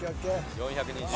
４２０円。